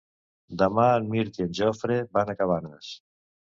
Demà en Mirt i en Jofre van a Cabanes.